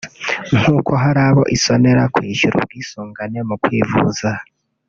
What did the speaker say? nk’uko hari abo isonera kwishyura ubwisungane mu kwivuza